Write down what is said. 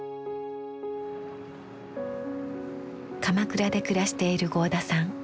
鎌倉で暮らしている合田さん。